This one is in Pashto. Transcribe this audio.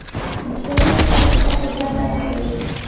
بشري مرستې اقتصاد ته زیان نه رسوي.